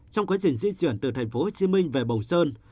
trong quá trình di chuyển từ tp hcm về bồng sơn